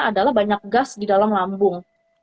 adalah banyak gas di dalam lambung